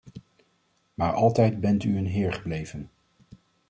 Maar altijd bent u een heer gebleven.